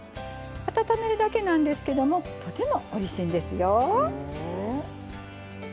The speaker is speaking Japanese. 温めるだけなんですけどもとてもおいしいんですよ。